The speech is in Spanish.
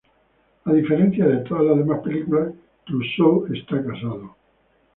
A diferencia de todas las demás películas, Clouseau está casado.